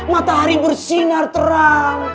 matahari bersinar terang